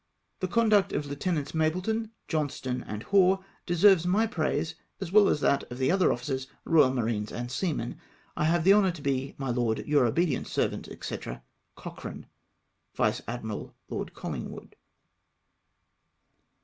" The conduct of Lieutenants Mapleton, Johnston, and Hore, deserves my praise, as well as that of the other officers, Eoyal Marines, and seamen. " I have the honour to be, my Lord, " Your obedient servant, &c. " Cochrane. " Vice Admiral Lord CoUingwood."